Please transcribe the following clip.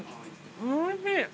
おいしい。